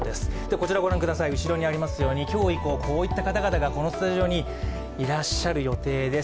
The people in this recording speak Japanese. こちら後ろにありますように今日以降、こういった方々がこのスタジオにいらっしゃる予定です。